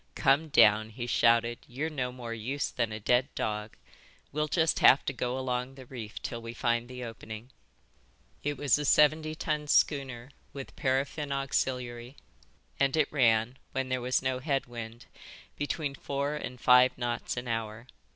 "Come down," he shouted. "You're no more use than a dead dog. We'll just have to go along the reef till we find the opening." It was a seventy ton schooner with paraffin auxiliary, and it ran, when there was no head wind, between four and five knots an hour.